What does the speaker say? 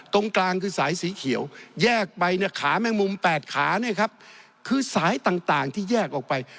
ตรงกลางคือสายสีเขียวแยกไปขาแมงมุม๘ขาคือสายต่างที่แยกออกไป